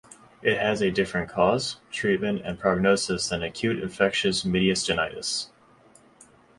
It has a different cause, treatment, and prognosis than acute infectious mediastinitis.